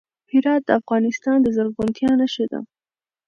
هرات د افغانستان د زرغونتیا نښه ده.